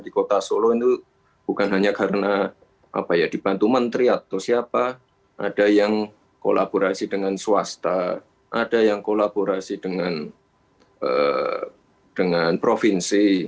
di kota solo itu bukan hanya karena dibantu menteri atau siapa ada yang kolaborasi dengan swasta ada yang kolaborasi dengan provinsi